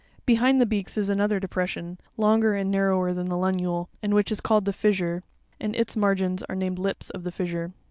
Behind the beaks is another depression, longer and narrower than the funule, and which is called the fissure (f}, and its margins are named lips of the fissure (Uf).